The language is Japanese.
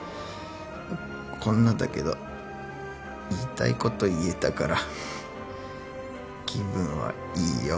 こんなだけど言いたいこと言えたから気分はいいよ。